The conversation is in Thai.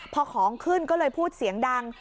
พอของขึ้นก็เลยพูดเสียงดัง